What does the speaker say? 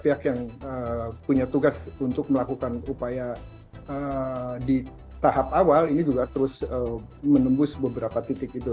pihak yang punya tugas untuk melakukan upaya di tahap awal ini juga terus menembus beberapa titik itu